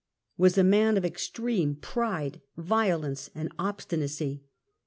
was a man of extreme pride, violence and obstinacy.